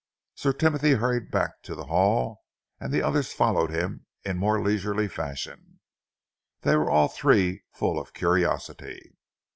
Sir Timothy hurried back to the hall, and the others followed him in more leisurely fashion. They were all three full of curiosity.